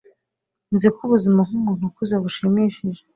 nzi ko ubuzima nkumuntu ukuze bushimishije